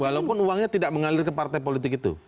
walaupun uangnya tidak mengalir ke partai politik itu